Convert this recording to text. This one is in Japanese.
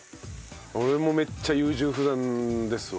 俺もめっちゃ優柔不断ですわ。